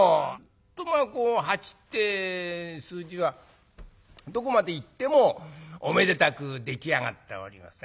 とまあ「八」ってえ数字はどこまでいってもおめでたく出来上がっておりますね。